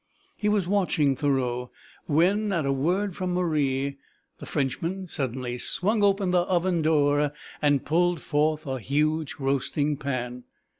He was watching Thoreau when, at a word from Marie, the Frenchman suddenly swung open the oven door and pulled forth a huge roasting pan.